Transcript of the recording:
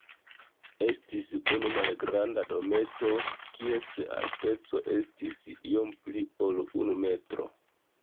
Estis unu malgranda dometo, kies alteco estis iom pli ol unu metro.